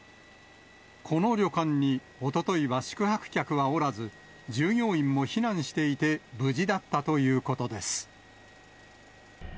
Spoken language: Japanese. この旅館におとといは宿泊客はおらず、従業員も避難していて無事だったということです。